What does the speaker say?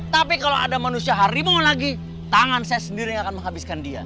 tapi kalau ada manusia harimau lagi tangan saya sendiri yang akan menghabiskan dia